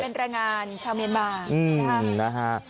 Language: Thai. เป็นรายงานชาวเมียนบาร์